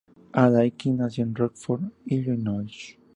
Aidan Quinn nació en Rockford, Illinois.